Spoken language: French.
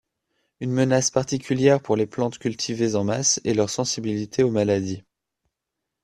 Une menace particulière pour les plantes cultivées en masse est leur sensibilité aux maladies.